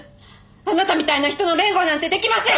あなたみたいな人の弁護なんてできません！